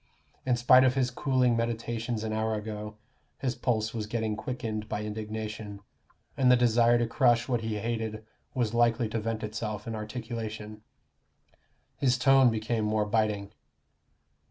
In spite of his cooling meditations an hour ago, his pulse was getting quickened by indignation, and the desire to crush what he hated was likely to vent itself in articulation. His tone became more biting.